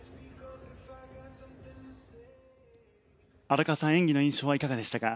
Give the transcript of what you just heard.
荒川さん、演技の印象はいかがでしたか？